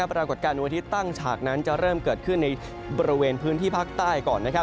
ปรากฏการณ์ตั้งฉากจะเริ่มเกิดขึ้นในบริเวณพื้นที่ภาคใต้ก่อน